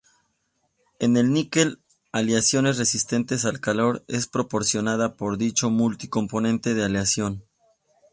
En el níquel aleaciones resistentes al calor es proporcionado por dicho multi-componente de aleación.